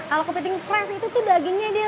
kalau kepiting fresh itu baginya lebih